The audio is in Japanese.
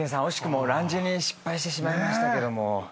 惜しくもランジに失敗してしまいましたけども。